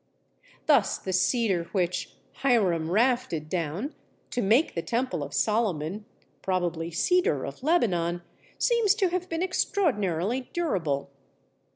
Thus the Cedar which "Hiram rafted down" to make the temple of Solomon (probably Cedar of Lebanon) seems to have been extraordinarily durable.